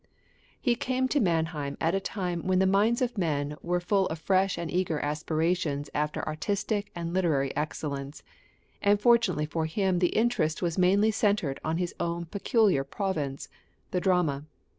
He came to Mannheim at a time when the minds of men were full of fresh and eager aspirations after artistic and literary {CHR. DANNER.} (381) excellence; and fortunately for him the interest was mainly centred on his own peculiar province the drama.